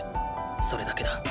それだけだ。